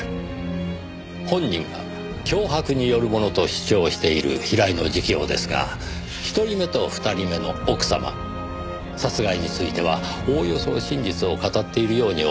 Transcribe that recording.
本人が脅迫によるものと主張している平井の自供ですが１人目と２人目の奥様殺害についてはおおよそ真実を語っているように思います。